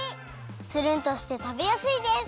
つるんとしてたべやすいです！